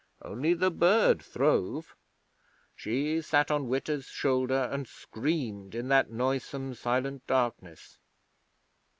Only the Bird throve. She sat on Witta's shoulder and screamed in that noisome, silent darkness.